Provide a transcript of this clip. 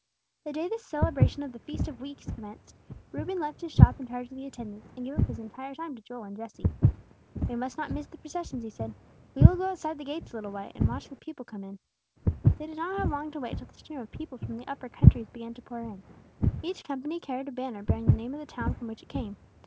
The day the celebration of the Feast of Weeks commenced, Reuben left his shop in charge of the attendants, and gave up his entire time to Joel and Jesse. "We must not miss the processions," he said. "We will go outside the gates a little way, and watch the people come in." They did not have long to wait till the stream of people from the upper countries began to pour in; each company carried a banner bearing the name of the town from which it came.